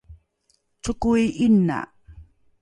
cokoi ’ina